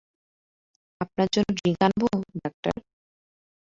আপনার জন্য ড্রিংক আনবো, ডাক্তার?